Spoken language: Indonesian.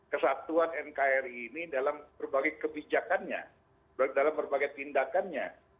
kesatuan nkri ini dalam berbagai kebijakannya dalam berbagai tindakannya